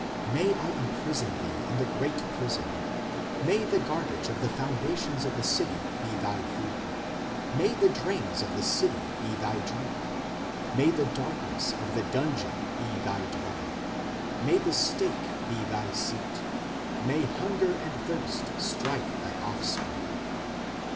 May I imprison thee in the great prison, May the garbage of the foundations of the city be thy food, May the drains of the city be thy drink, May the darkness of the dungeon be thy dwelling, May the stake be thy seat, May hunger and thirst strike thy offspring.